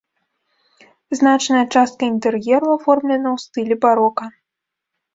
Значная частка інтэр'еру аформлена ў стылі барока.